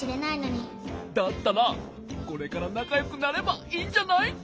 だったらこれからなかよくなればいいんじゃない？